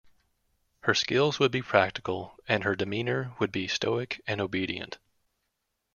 Her skills would be practical and her demeanour would be stoic and obedient.